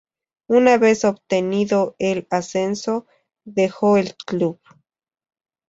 Una vez obtenido el ascenso, dejó el club.